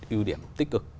ưu điểm tích cực